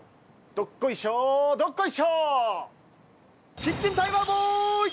「どっこいしょどっこいしょ」。